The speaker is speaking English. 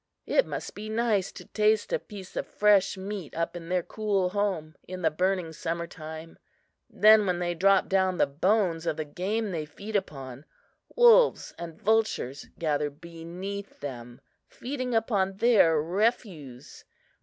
It must be nice to taste a piece of fresh meat up in their cool home, in the burning summer time! Then when they drop down the bones of the game they feed upon, wolves and vultures gather beneath them, feeding upon their refuse.